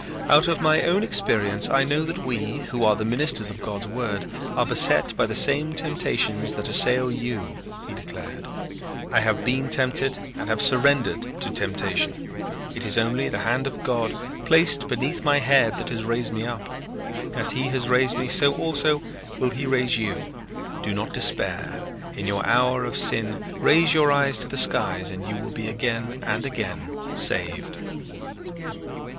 "Out of my own experience I know that we, who are the ministers of God's word, are beset by the same temptations that assail you," he declared. "I have been tempted and have surrendered to temptation. It is only the hand of God, placed beneath my head, that has raised me up. As he has raised me so also will he raise you. Do not despair. In your hour of sin raise your eyes to the skies and you will be again and again saved."